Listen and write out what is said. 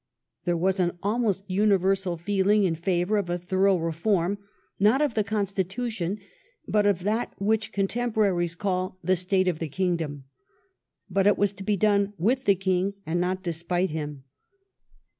There was an the king. almost universal feeling in favour of a thorough reform, not of the constitution, but of that which contem poraries call the "state of the kingdom". But it was to be done with the king and not despite him.